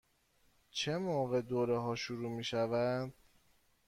چه موقع دوره ها شروع می شود؟